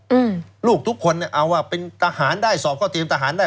อืมลูกทุกคนเนี้ยเอาว่าเป็นทหารได้สอบก็เตรียมทหารได้